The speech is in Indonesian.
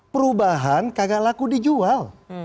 perubahan kagak laku dijual